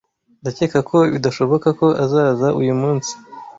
Ndacyeka ko bidashoboka ko azaza uyu munsi.